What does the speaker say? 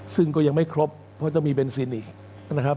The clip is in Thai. ซึ่งก็ยังไม่ครบเพราะจะมีเบนซินอีกนะครับ